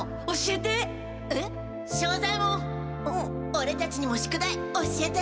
オレたちにも宿題教えて！